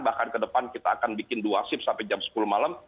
bahkan kedepan kita akan bikin dua sip sampai jam sepuluh malam